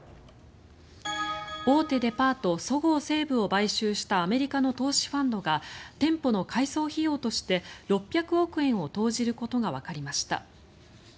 大手デパートそごう・西武を買収したアメリカの投資ファンドが店舗の改装費用として６００億円を投じることがわかりました。